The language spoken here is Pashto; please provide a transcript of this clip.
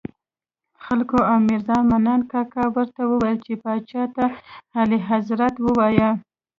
خلکو او میرزا منان کاکا ورته ویل چې پاچا ته اعلیحضرت ووایه.